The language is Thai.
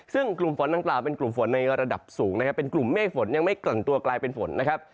ซึ่งกลุ่มฝนดังกล่าวเป็นกลุ่มฝนในระดับสูงนะครับเป็นกลุ่มเมฆฝนยังไม่เกิดตัวกลายเป็นฝนนะครับ